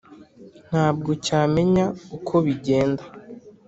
Ntabwo cyamenya uko bigenda.